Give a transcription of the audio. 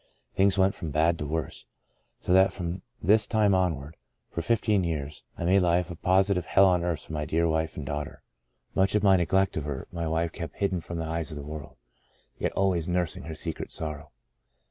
Things went from bad to worse, so that from this time onward, for fifteen years, I made life a positive hell on earth for my dear wife and daughter. Much of my neglect of her my wife kept hidden from the eyes of the world, yet always nursing her secret sorrow.